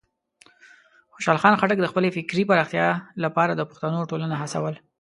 خوشحال خان خټک د خپلې فکري پراختیا لپاره د پښتنو ټولنه هڅول.